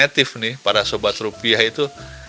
negatif nih para sobat rupiah itu